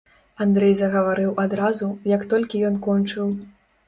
Андрэй загаварыў адразу, як толькі ён кончыў.